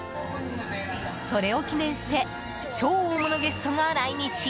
それを記念して超大物ゲストが来日！